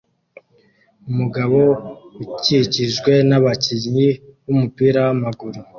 Umugabo ukikijwe nabakinnyi bumupira wamaguru